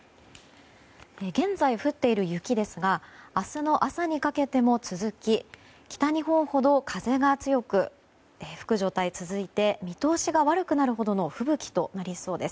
現在降っている雪ですが明日の朝にかけても続き北日本ほど風が強く吹く状態が続いて見通しが悪くなるほどの吹雪となりそうです。